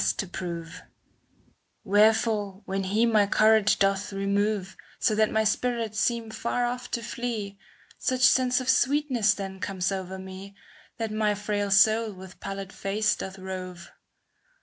CANZONIERE Wherefore, when he my courage doth re move, ® So that my spirits seem far off to flee. Such sense of sweetness then comes over me, That my frail soul with pallid face doth rove.